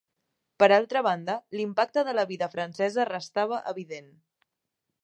Per altra banda, l'impacte de la vida francesa restava evident.